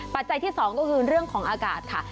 ปัจจัยที่๒ก็คือเรื่องของอากาศค่ะ